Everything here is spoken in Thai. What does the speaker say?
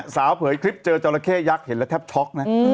เผยคลิปเจอจราเข้ยักษ์เห็นแล้วแทบช็อกนะ